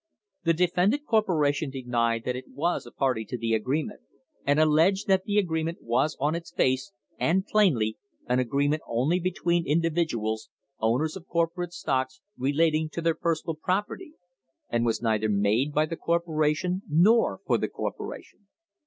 The defendant cor poration denied that it was a party to the agreement, and alleged that the agreement was on its face, and plainly, an agreement only between individuals, owners of corpo rate stocks, relating to their personal property, and was neither made by the corporation nor for the corporation.